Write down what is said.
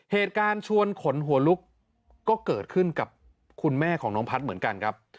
ชวนขนหัวลุกก็เกิดขึ้นกับคุณแม่ของน้องพัฒน์เหมือนกันครับ